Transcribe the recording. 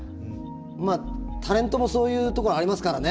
まあタレントもそういうところありますからね。